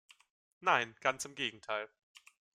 Nein, ganz im Gegenteil.